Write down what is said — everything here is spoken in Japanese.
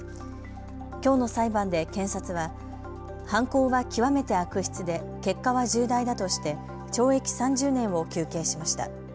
きょうの裁判で検察は犯行は極めて悪質で結果は重大だとして懲役３０年を求刑しました。